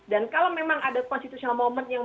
dan kalau memang ada moment konstitusional yang